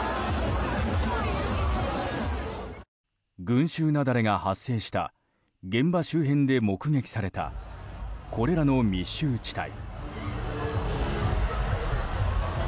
群衆雪崩が発生した現場周辺で目撃されたこれらの密集地帯。